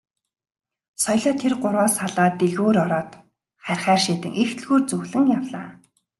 Соёлоо тэр гурваас салаад дэлгүүр ороод харихаар шийдэн их дэлгүүр зүглэн явлаа.